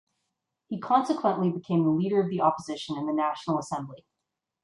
He consequently became the Leader of the Opposition in the National Assembly.